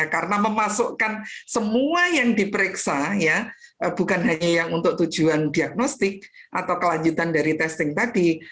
karena memasukkan semua yang diperiksa bukan hanya yang untuk tujuan diagnostik atau kelanjutan dari testing tadi